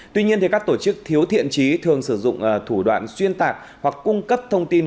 tuy nhiên các tổ chức thiếu thiện trí thường sử dụng thủ đoạn xuyên tạc hoặc cung cấp thông tin